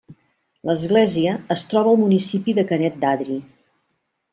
L'església es troba al municipi de Canet d'Adri.